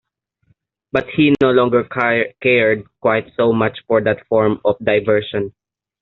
But he no longer cared quite so much for that form of diversion.